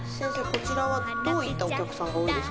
こちらはどういったお客さんが多いですか？